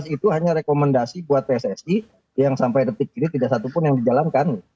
dua ribu itu hanya rekomendasi buat pssi yang sampai detik ini tidak satupun yang dijalankan